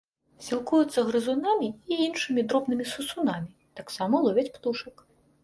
Сілкуюцца грызунамі і іншымі дробнымі сысунамі, таксама ловяць птушак.